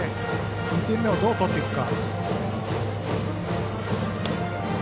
２点目をどう取っていくか。